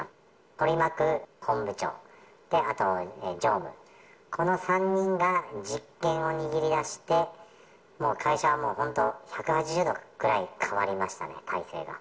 取り巻く本部長、あと常務、この３人が実権を握りだして、もう会社はもう本当、１８０度くらい変わりましたね、体制が。